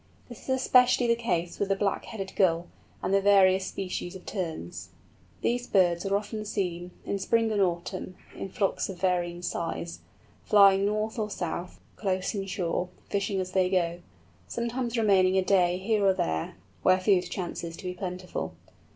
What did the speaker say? This is especially the case with the Black headed Gull, and the various species of Terns. These latter birds are often seen, in spring and autumn, in flocks of varying size, flying north or south, close inshore, fishing as they go, sometimes remaining a day here or there, where food chances to be plentiful.